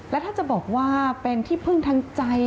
แล้วถ้าจะบอกว่าเป็นที่พึ่งทางใจ